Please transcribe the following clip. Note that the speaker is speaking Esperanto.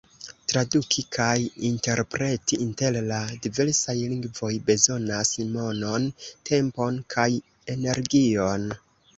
Traduki kaj interpreti inter la diversaj lingvoj bezonas monon, tempon kaj energion.